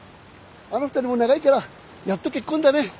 あの２人も長いからやっと結婚だねえ。